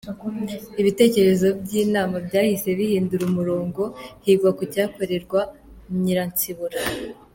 Ibitekerezo by’inama byahise bihindura umurongo, higwa ku cyakorerwa Nyiransibura.